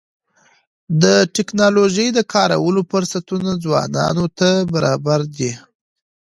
د ټکنالوژۍ د کارولو فرصتونه ځوانانو ته برابر دي.